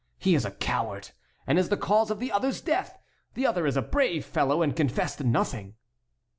He is a coward, and is the cause of the other's death! The other is a brave fellow, and confessed nothing."